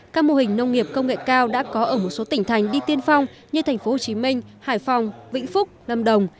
các mô hình nông nghiệp công nghệ cao đã có ở một số tỉnh thành đi tiên phong như tp hcm hải phòng vĩnh phúc lâm đồng